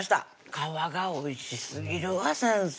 皮がおいしすぎるわ先生